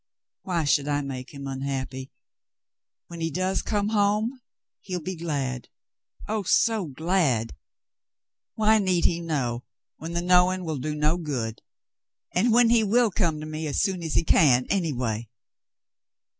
\Miy should I make him unhappy ? When he does come home, he'll be glad — oh, so glad ! Why need he know when the knowing will do no good, and when he will come to me as soon as he can, anyway